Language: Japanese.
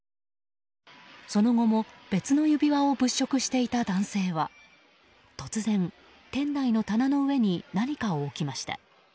その後も別の指輪を物色していた男性は突然、店内の棚の上に何かを置きました。